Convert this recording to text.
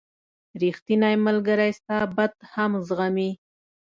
• ریښتینی ملګری ستا بد هم زغمي.